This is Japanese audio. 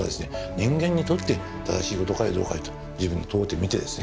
人間にとって正しいことかどうかと自分に問うてみてですね